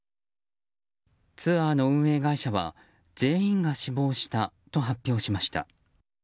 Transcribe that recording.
ツアーの運営会社は全員が死亡しましたと発表しました。